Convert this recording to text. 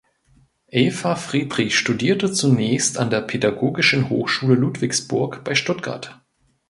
Eva Friedrich studierte zunächst an der Pädagogischen Hochschule Ludwigsburg bei Stuttgart.